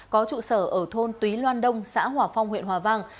có trụ sở ở thôn túy loan đông xã hòa phong huyện hòa vang